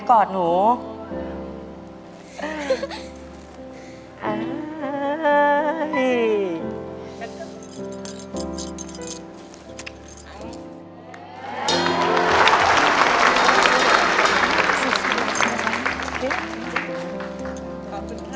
ขอบคุณค่ะ